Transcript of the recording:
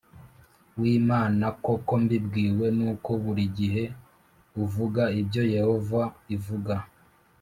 W imana koko mbibwiwe n uko buri gihe uvuga ibyo yehova ivuga